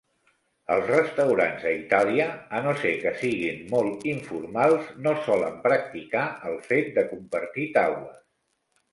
Els restaurants a Itàlia, a no ser que siguin molt informals, no solen practicar el fet de compartir taules.